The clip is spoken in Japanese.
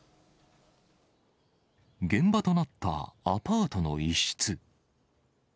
現場となったアパートの一室。